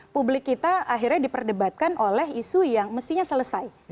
publik kita akhirnya diperdebatkan oleh isu yang mestinya selesai